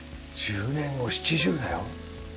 １０年後７０だよ。